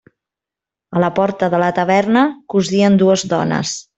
A la porta de la taverna cosien dues dones.